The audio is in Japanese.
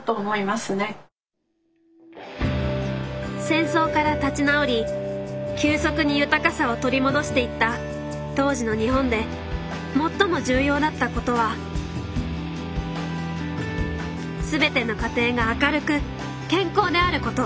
戦争から立ち直り急速に豊かさを取り戻していった当時の日本で最も重要だったことは全ての家庭が明るく健康であること。